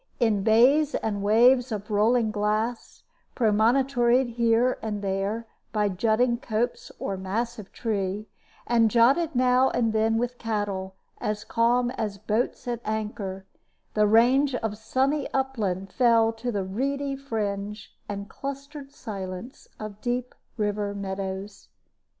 In bays and waves of rolling grass, promontoried, here and there, by jutting copse or massive tree, and jotted now and then with cattle as calm as boats at anchor, the range of sunny upland fell to the reedy fringe and clustered silence of deep river meadows.